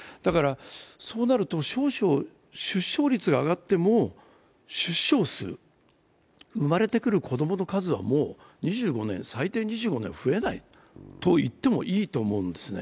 そうなると出生率が少々上がっても、生まれてくる子供の数はもう最低２５年、増えないといってもいいと思うんですね。